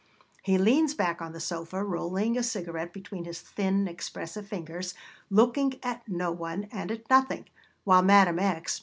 He leans back on the sofa, rolling a cigarette between his thin, expressive fingers, looking at no one and at nothing, while Madame X.